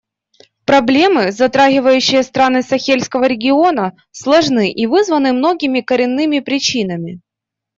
Проблемы, затрагивающие страны Сахельского региона, сложны и вызваны многими коренными причинами.